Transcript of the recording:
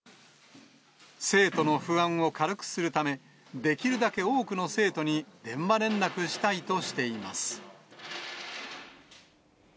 生徒の不安を軽くするため、できるだけ多くの生徒に電話連絡したいとしています。